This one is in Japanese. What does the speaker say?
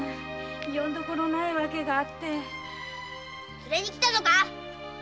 連れにきたのか！